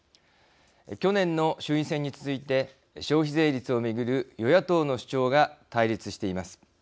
去年の衆院選に続いて消費税率を巡る与野党の主張が対立しています。